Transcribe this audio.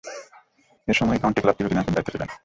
এ সময়েই কাউন্টি ক্লাবটির অধিনায়কের দায়িত্বে ছিলেন।